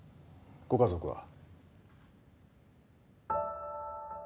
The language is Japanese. ご家族は？